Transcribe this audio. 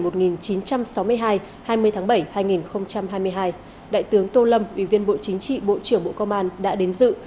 hai nghìn hai mươi tháng bảy hai nghìn hai mươi hai đại tướng tô lâm ủy viên bộ chính trị bộ trưởng bộ công an đã đến dự